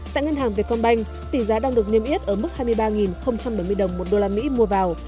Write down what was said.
tại ngân hàng vietcombank tỷ giá đang được niêm yết ở mức hai mươi ba bảy mươi đồng một đô la mỹ mua vào